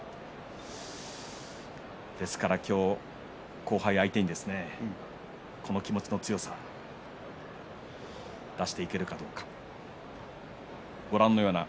今日は後輩相手にこの気持ちの強さ出していけるかどうか。